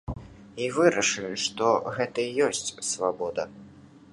І вырашылі, што гэта і ёсць свабода.